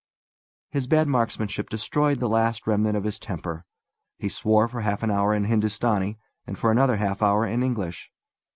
His bad marksmanship destroyed the last remnant of his temper. He swore for half an hour in Hindustani, and for another half hour in English.